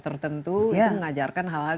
tertentu itu mengajarkan hal hal